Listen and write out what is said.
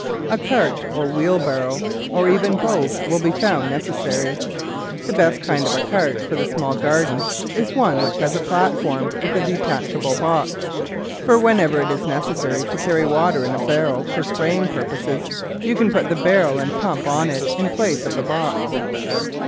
A cart or wheel barrow, or even both, will be found necessary. The best kind of a cart for the small garden is one which has a platform with a THE VEGETABLE GARDEN detachable box; for whenever it is necessary to carry water in a barrel for spraying purposes, you can put the barrel and pump on it in place of the box.